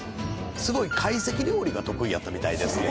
すごい懐石料理が得意やったみたいです。